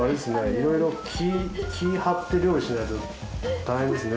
いろいろ気を張って料理しないと大変ですね。